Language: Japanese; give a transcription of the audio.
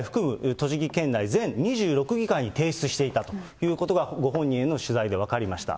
栃木県内全２６議会に提出していたということがご本人への取材で分かりました。